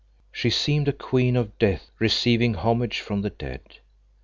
She seemed a Queen of Death receiving homage from the dead.